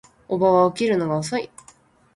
叔母は起きるのが遅い